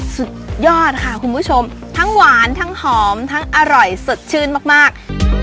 สุดยอดค่ะคุณผู้ชมทั้งหวานทั้งหอมทั้งอร่อยสดชื่นมาก